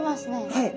はい。